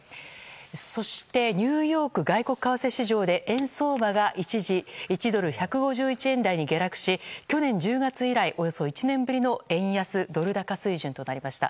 そしてニューヨーク外国為替市場で円相場が一時１ドル＝１５１円台に下落し去年１０月以来およそ１年ぶりの円安ドル高水準となりました。